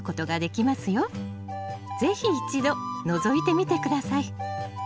是非一度のぞいてみて下さい。